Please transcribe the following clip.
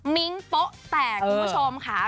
มิ้งโป๊ะแตกคุณผู้ชมค่ะ